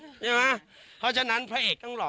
ปู่มหาหมุนีบอกว่าตัวเองอสูญที่นี้ไม่เป็นไรหรอก